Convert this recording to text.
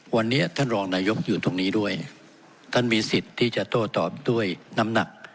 วันนี้ท่านรองนายกอยู่ตรงนี้ด้วยท่านมีสิทธิ์ที่จะโต้ตอบด้วยน้ำหนัก